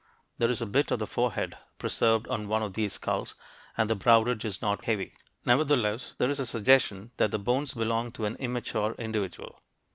There is a bit of the forehead preserved on one of these skulls and the brow ridge is not heavy. Nevertheless, there is a suggestion that the bones belonged to an immature individual.